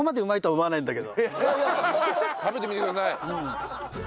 食べてみてください。